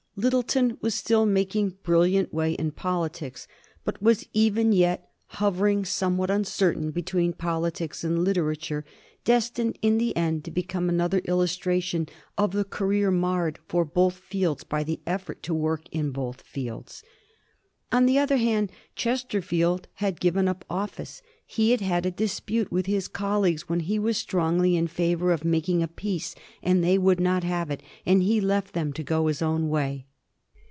Lyttelton was still making brilliant way in politics, but was even yet hovering somewhat uncertain between politics and literature, destined in the end to be come another illustration of the career marred for both fields by the effort to work in both fields. On the other hand, Chesterfield had given up office. He had had a dis pute with his colleagues when he was strongly in favor of making a peace, and they would not have it, and he left them to go their own way.